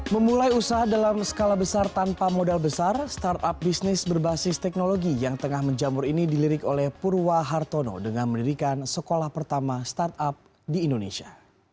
memulai usaha dalam skala besar tanpa modal besar startup bisnis berbasis teknologi yang tengah menjamur ini dilirik oleh purwa hartono dengan mendirikan sekolah pertama startup di indonesia